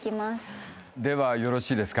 ではよろしいですか？